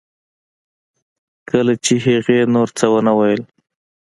کله چې هغې نور څه ونه ویل